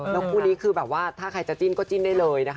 แล้วคู่นี้คือแบบว่าถ้าใครจะจิ้นก็จิ้นได้เลยนะคะ